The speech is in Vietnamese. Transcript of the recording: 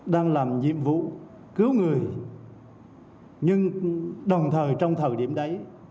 đang làm nhiệm vụ cứu người nhưng đồng thời trong thời điểm đấy